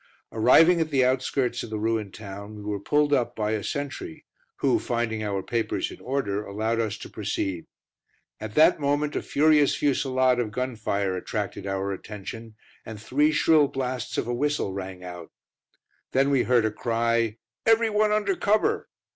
Arriving at the outskirts of the ruined town, we were pulled up by a sentry, who, finding our papers in order, allowed us to proceed. At that moment a furious fusillade of gun fire attracted our attention, and three shrill blasts of a whistle rang out; then we heard a cry, "Everyone under cover!"